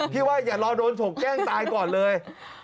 ว่าอย่ารอโดนฉกแกล้งตายก่อนเลย